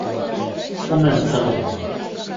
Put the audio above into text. Уның ҡыҙы!